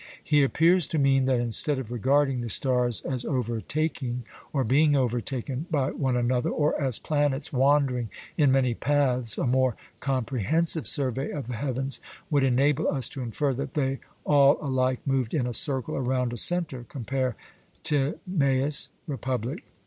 He appears to mean, that instead of regarding the stars as overtaking or being overtaken by one another, or as planets wandering in many paths, a more comprehensive survey of the heavens would enable us to infer that they all alike moved in a circle around a centre (compare Timaeus; Republic).